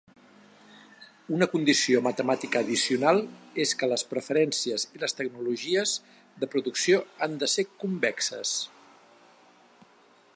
Una condició matemàtica addicional és que les preferències i les tecnologies de producció han de ser convexes.